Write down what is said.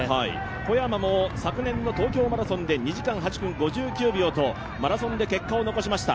小山も昨年の東京マラソンで２時間８分５９秒とマラソンで結果を残しました。